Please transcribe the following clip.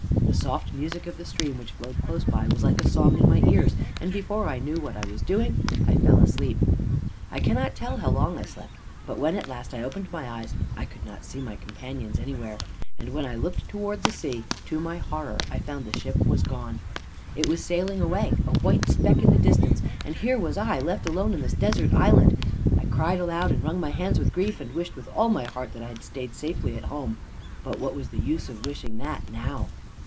The soft music of the stream which flowed close by was like a song in my ears, and, before I knew what I was doing, I fell asleep. "I cannot tell how long I slept, but when at last I opened my eyes, I could not see my companions anywhere, and when I looked towards the sea, to my horror I found the ship was gone. It was sailing away, a white speck in the distance, and here was I, left alone upon this desert island. I cried aloud and wrung my hands with grief, and wished with all my heart that I had stayed safely at home. But what was the use of wishing that now?